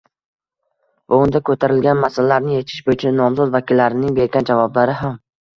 va unda ko‘tarilgan masalarni yechish bo‘yicha nomzod vakillarining bergan javoblari ham